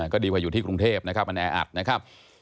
ก็ดีกว่าอยู่ที่กรุงเทพนะครับมันแออัดนะครับ